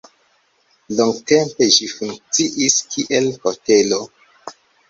Longtempe ĝi funkciis kiel hotelo.